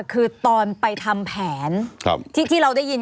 คือตอนไปทำแผน